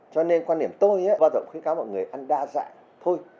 cho nên quan điểm tôi bao tôi cũng khuyến cáo mọi người ăn đa dạng thôi